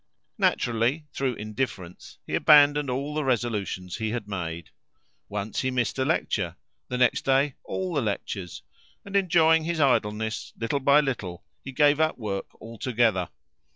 Naturally, through indifference, he abandoned all the resolutions he had made. Once he missed a lecture; the next day all the lectures; and, enjoying his idleness, little by little, he gave up work altogether.